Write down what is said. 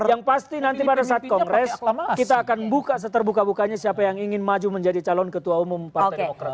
yang pasti nanti pada saat kongres kita akan buka seterbuka bukanya siapa yang ingin maju menjadi calon ketua umum partai demokrat